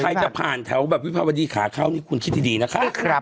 ใครจะผ่านแถวแบบวิภาวดีขาเข้านี่คุณคิดดีนะคะ